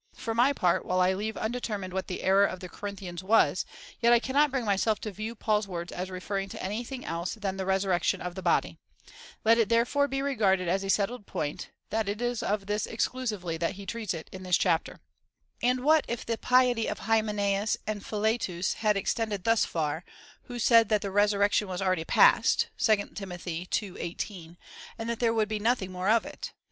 For my part, while I leave undetermined what the error of the Corinthians was, yet I cannot bring myself to view Paul's words as referring to any thing else than the resurrection of the body. Let it, there fore be regarded as a settled point, that it is of this exclu CHAP. XV. I. FIRST EPISTLE TU THE CORINTHIANS. 7 sively that lie treats in this chapter. And what if the im piety of Hymeneus and Philetus had extended thus far/ who said that the resurrection was already past, (2 Tim. ii. 18,) and that there would he nothing more of it